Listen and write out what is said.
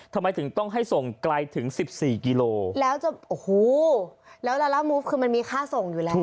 ทำไมถึงต้องให้ส่งไกลถึงสิบสี่กิโลแล้วจะโอ้โหแล้วลาล่ามูฟคือมันมีค่าส่งอยู่แล้ว